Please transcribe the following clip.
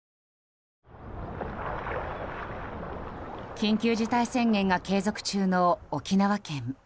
緊急事態宣言が継続中の沖縄県。